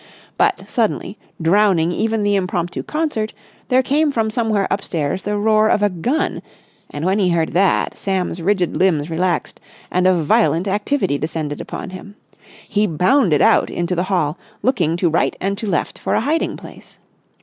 But, suddenly, drowning even the impromptu concert, there came from somewhere upstairs the roar of a gun; and, when he heard that, Sam's rigid limbs relaxed and a violent activity descended upon him. He bounded out into the hall, looking to right and to left for a hiding place.